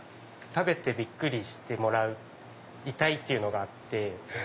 食べてびっくりしてもらいたいっていうのがあって。